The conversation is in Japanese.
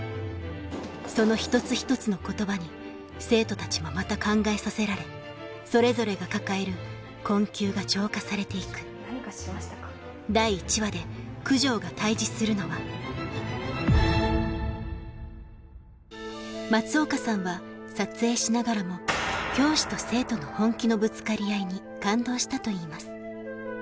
その一つ一つの言葉に生徒たちもまた考えさせられそれぞれが抱える困窮が浄化されていく第１話で九条が対峙するのは松岡さんは撮影しながらもに感動したといいます